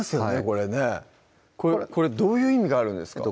これねこれどういう意味があるんですか？